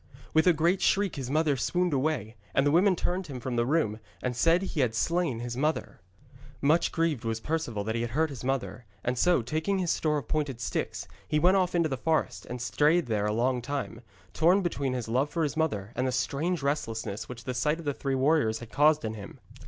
With a great shriek his mother swooned away, and the women turned him from the room and said he had slain his mother. Much grieved was Perceval that he had hurt his mother, and so, taking his store of pointed sticks, he went off into the forest, and strayed there a long time, torn between his love for his mother, and the strange restlessness which the sight of the three warriors had caused in him.